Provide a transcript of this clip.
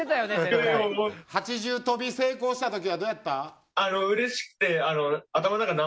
８重跳び成功したときはどうやった？